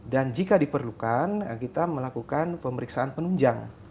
dan jika diperlukan kita melakukan pemeriksaan penunjang